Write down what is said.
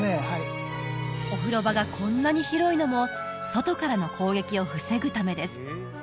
はいお風呂場がこんなに広いのも外からの攻撃を防ぐためです